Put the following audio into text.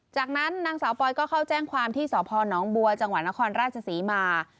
จากนั้นนางสาวปอยก็เข้าแจ้งความที่สพนบัวจังหวัดนครราชศรีมา